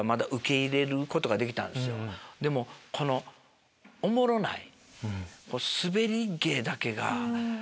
でもおもろない。